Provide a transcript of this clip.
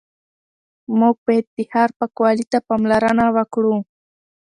موږ باید د ښار پاکوالي ته پاملرنه وکړو